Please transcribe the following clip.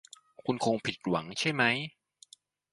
คุณคงผิดหวังใช่ไหม